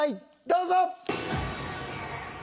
どうぞ！